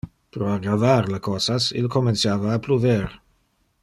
Pro aggravar le cosas, il comenciava a pluver.